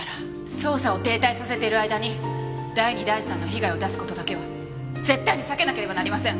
捜査を停滞させている間に第２第３の被害を出す事だけは絶対に避けなければなりません！